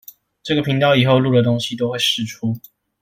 這個頻道以後錄的東西都會釋出